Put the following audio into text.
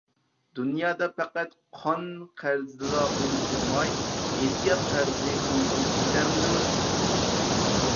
دۇنيادا پەقەت قان-قەرزلا ئۇنتۇلماي، ھېسسىيات قەرزى ئۇنتۇلۇپ كېتەمدۇ؟